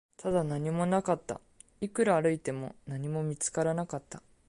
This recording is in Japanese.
ただ、何もなかった、いくら歩いても、何も見つからなかった